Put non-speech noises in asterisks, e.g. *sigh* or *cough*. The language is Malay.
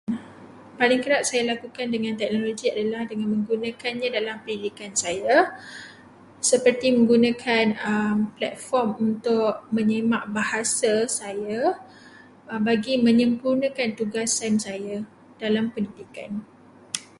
Paling kerap saya lakukan dengan teknologi adalah dengan menggunakannya dalam pendidikan saya, seperti menggunakan *hesitation* platform untuk menyemak bahasa saya bagi menyempurnakan tugasan saya dalam pendidikan.